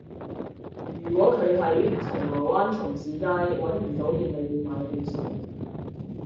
如果佢喺銅鑼灣重士街搵唔到便利店買汽水